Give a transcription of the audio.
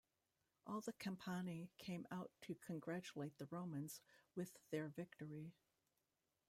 All the Campani came out to congratulate the Romans with their victory.